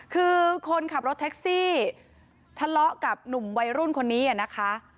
คือคนขับรถแท็กซี่ทะเลาะกับหนุ่มวัยรุ่นคนนี้นะคะ